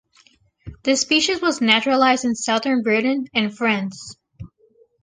The species was naturalized in Southern Britain and France.